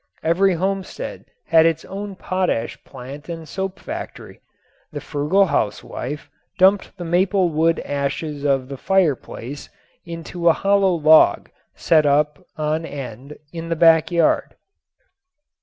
Every homestead had its own potash plant and soap factory. The frugal housewife dumped the maple wood ashes of the fireplace into a hollow log set up on end in the backyard.